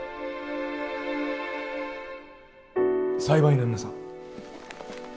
裁判員の皆さん。